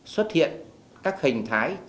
xuất hiện các hình thái chiến